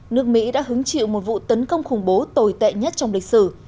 nước mỹ đã hứng chịu một vụ tấn công khủng bố tồi tệ nhất trong lịch sử